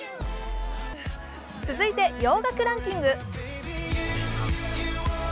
続いて洋楽ランキング。